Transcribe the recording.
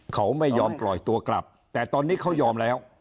เขาไม่ยอมปล่อยตัวกลับแต่ตอนนี้เขายอมแล้ว